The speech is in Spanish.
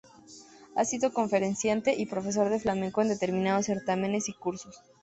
Ha sido conferenciante y profesor de flamenco en determinados certámenes y cursos.